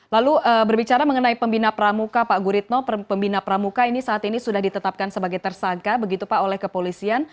lalu berbicara mengenai pembina pramuka pak guritno pembina pramuka ini saat ini sudah ditetapkan sebagai tersangka begitu pak oleh kepolisian